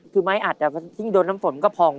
อ๋อคือไม้อัดอ่ะซึ่งโดนน้ำฝนมันก็พอง